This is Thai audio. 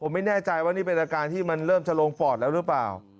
ไม่แน่ใจว่านี่เป็นอาการที่มันเริ่มจะลงปอดแล้วหรือเปล่า